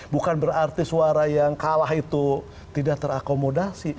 bukan berarti suara yang kalah itu tidak terakomodasi